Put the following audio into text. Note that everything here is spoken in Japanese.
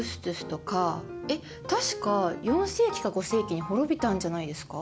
えっ確か４世紀か５世紀に滅びたんじゃないですか？